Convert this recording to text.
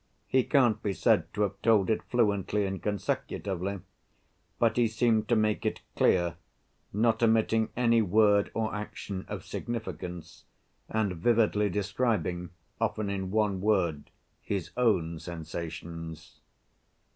He can't be said to have told it fluently and consecutively, but he seemed to make it clear, not omitting any word or action of significance, and vividly describing, often in one word, his own sensations.